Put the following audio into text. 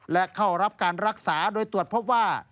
และเข้ารับการรักษาโดยตรวจพบว่า